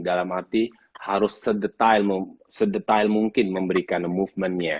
dalam arti harus sedetail mungkin memberikan movementnya